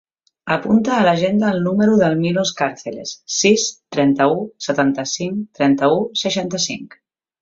Apunta a l'agenda el número del Milos Carceles: sis, trenta-u, setanta-cinc, trenta-u, seixanta-cinc.